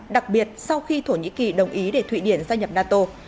đặc biệt sau khi thổ nhĩ kỳ đồng ý để thụy điển gia nhập nato